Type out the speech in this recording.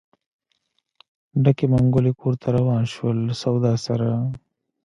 ډکې منګولې کور ته روان شول له سودا سره.